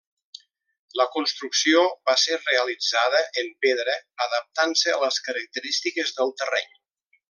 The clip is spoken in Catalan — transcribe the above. La construcció va ser realitzada en pedra adaptant-se a les característiques del terreny.